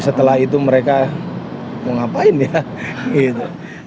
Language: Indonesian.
setelah itu mereka mau ngapain ya gitu